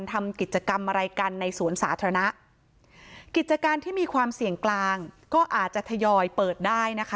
ทำกิจกรรมอะไรกันในสวนสาธารณะกิจการที่มีความเสี่ยงกลางก็อาจจะทยอยเปิดได้นะคะ